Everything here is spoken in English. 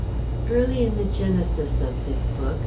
Early in the genesis of the book.